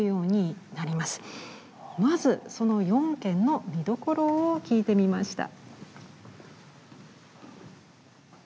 まずその４件の見どころを聞いてみました。